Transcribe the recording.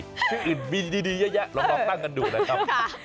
ที่อื่นมีดีเยอะแยะลองตั้งกันดูนะครับ